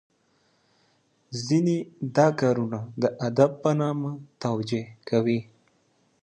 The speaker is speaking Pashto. ځینې دا کارونه د ادب په نامه توجه کوي .